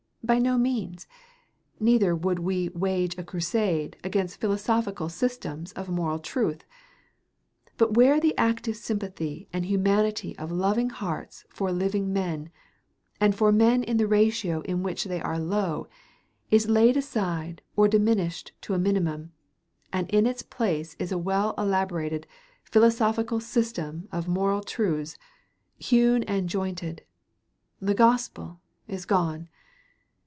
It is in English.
By no means. Neither would we wage a crusade against philosophical systems of moral truth. But where the active sympathy and humanity of loving hearts for living men, and for men in the ratio in which they are low, is laid aside or diminished to a minimum, and in its place is a well elaborated philosophical system of moral truths, hewn and jointed, the gospel is gone.